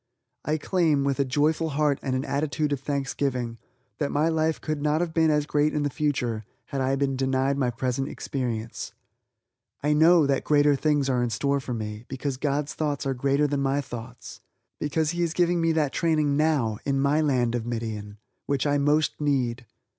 I claim, with a joyful heart and an attitude of thanksgiving, that my life could not have been as great in the future had I been denied my present experience. I know that greater things are in store for me, because God's thoughts are greater than my thoughts; because He is giving me that training now, in my land of Midian, which I most need.